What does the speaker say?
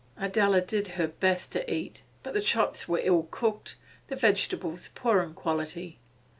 Adela did her best to eat, but the chops were ill cooked, the vegetables poor in quality.